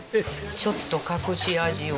ちょっと隠し味を。